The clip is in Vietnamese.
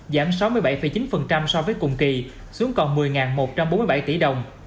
giảm sáu mươi bảy chín so với cùng kỳ xuống còn một mươi một trăm bốn mươi bảy tỷ đồng